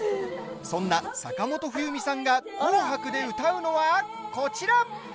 そんな坂本冬美さんが「紅白」で歌うのは、こちら！